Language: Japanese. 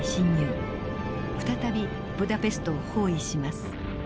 再びブダペストを包囲します。